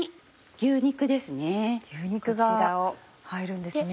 牛肉が入るんですね。